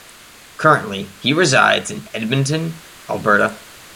Currently he resides in Edmonton, Alberta.